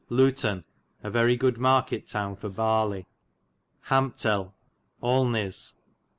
Luton a very good market town for barlye. Ham(ptel.)*' Olneys.